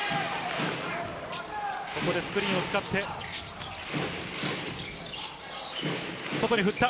ここでスクリーンを使って、外に振った。